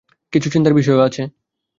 কিছু চিন্তার বিষয়ও আছে।